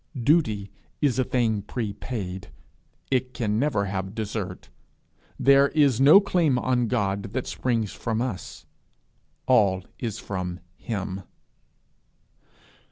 Duty is a thing prepaid: it can never have desert. There is no claim on God that springs from us: all is from him.